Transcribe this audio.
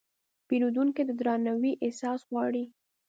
پیرودونکی د درناوي احساس غواړي.